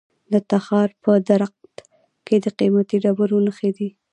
د تخار په درقد کې د قیمتي ډبرو نښې دي.